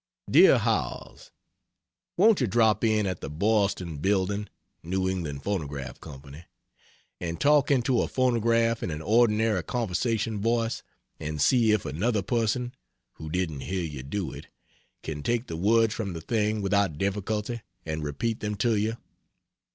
DEAR HOWELLS, Won't you drop in at the Boylston Building (New England Phonograph Co) and talk into a phonograph in an ordinary conversation voice and see if another person (who didn't hear you do it) can take the words from the thing without difficulty and repeat them to you.